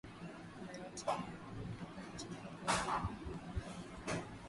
na hatimaye kumaliza machafuko yaliodumu kwa miongo minne